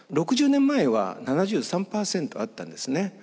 ６０年前は７３％あったんですね。